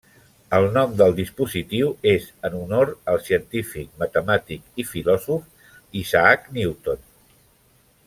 El nom del dispositiu és en honor al científic, matemàtic i filòsof Isaac Newton.